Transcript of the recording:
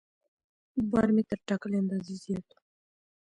بار مې تر ټاکلي اندازې زیات و.